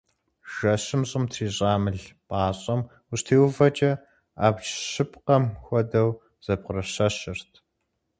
Жэщым щӏым трищӏа мыл пӏащӏэм ущытеувэкӏэ абдж щыпкъэм хуэдэу зэпкъырыщэщырт.